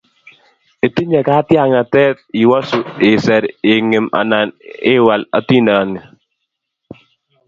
itinye katyaknatet iwosu, iser, ing'im anan iwal atindyoni.